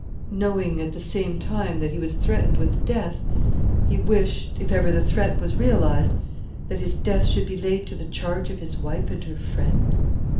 "Knowing, at the same time, that he was threatened with death, he wished, if ever the threat was realized, that his death should be laid to the charge of his wife and her friend?"